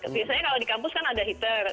biasanya kalau di kampus kan ada heater